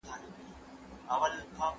غرونه د هیواد ساتونکي دي.